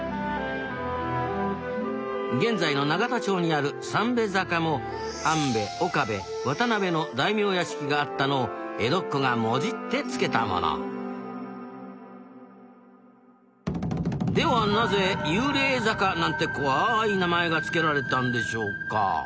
現在の永田町にある「三べ坂」も安部岡部渡辺の大名屋敷があったのを江戸っ子がもじって付けたものではなぜ「幽霊坂」なんて怖い名前が付けられたんでしょうか？